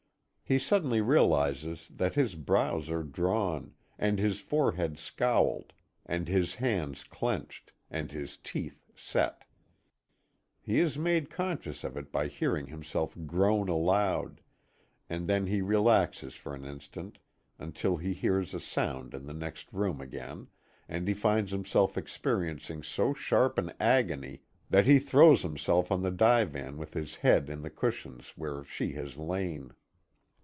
He suddenly realizes that his brows are drawn, and his forehead scowled, and his hands clenched, and his teeth set. He is made conscious of it by hearing himself groan aloud, and then he relaxes for an instant until he hears a sound in the next room, again, and he finds himself experiencing so sharp an agony that he throws himself on the divan with his head in the cushions where she has lain.